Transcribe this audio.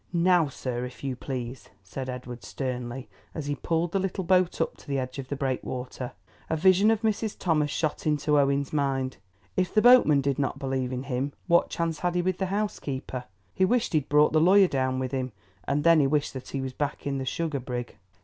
"Now, sir, if you please," said Edward sternly, as he pulled the little boat up to the edge of the breakwater. A vision of Mrs. Thomas shot into Owen's mind. If the boatman did not believe in him, what chance had he with the housekeeper? He wished he had brought the lawyer down with him, and then he wished that he was back in the sugar brig.